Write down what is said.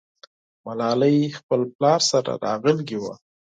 ملالۍ خپل پلار سره راغلې وه.